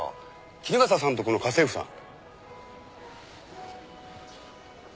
衣笠さんとこの家政婦さん。